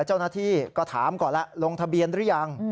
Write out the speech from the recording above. เจ้าหน้าที่ก็ถามก่อนแล้วลงทะเบียนหรือยัง